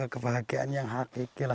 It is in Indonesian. kebahagiaan yang hakiki